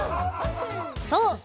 そう！